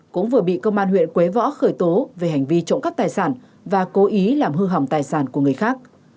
cũng vừa bị công an huyện quế võ khởi tố về hành vi trộm cắp tài sản và cố ý làm hư hỏng tài sản của người khác